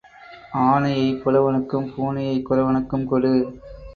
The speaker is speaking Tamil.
ஆனையைப் புலவனுக்கும் பூனையைக் குறவனுக்கும் கொடு.